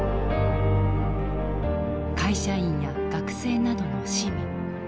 会社員や学生などの市民。